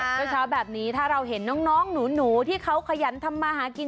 เช้าแบบนี้ถ้าเราเห็นน้องหนูที่เขาขยันทำมาหากิน